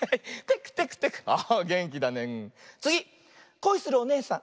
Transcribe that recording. こいするおねえさん。